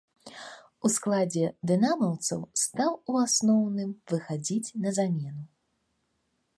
У складзе дынамаўцаў стаў у асноўным выхадзіць на замену.